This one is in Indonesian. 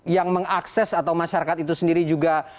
yang mengakses atau masyarakat itu sendiri juga